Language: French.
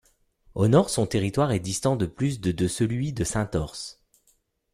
Au nord, son territoire est distant de plus de de celui de Sainte-Orse.